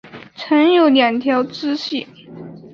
曾有两条支线。